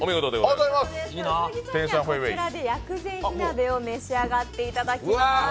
天香回味の薬膳火鍋を召し上がっていただきます。